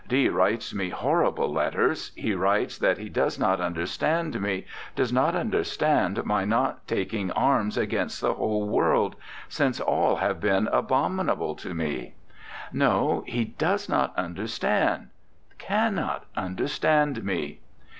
D writes me horrible letters; he writes that he does not understand me, does not understand my not taking arms against the whole world; since all have been abominable to me. ... No; he does not understand, cannot understand me.